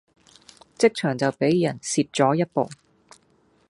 職場就比人蝕左一步